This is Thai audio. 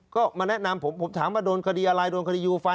ก็มาแนะนำผมผมถามว่าโดนคดีอะไรโดนคดียูฟัน